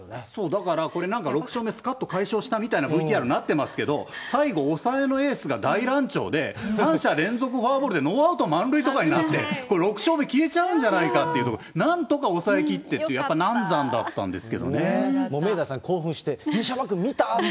だから、これ、なんか６勝目、すかっと快勝したみたいなことになってますけれども、最後、抑えのエースが大乱調で、３者連続フォアボールで、ノーアウト満塁とかなって、これ、６勝目消えちゃうんじゃないかということ、なんとか抑えきってって、やっぱなんざんだったんですけどね。